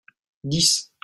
dix.